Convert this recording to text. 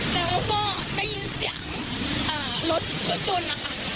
แล้วบ้อได้ยินเสียงรถจนนะฮะ